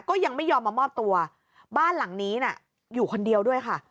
ก็ยังไม่ยอมมามอบตัวบ้านหลังนี้น่ะอยู่คนเดียวด้วยค่ะ